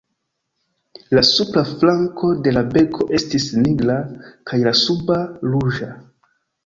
La supra flanko de la beko estis nigra, kaj la suba ruĝa.